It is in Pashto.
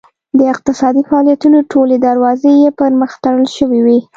د اقتصادي فعالیتونو ټولې دروازې یې پرمخ تړل شوې وې.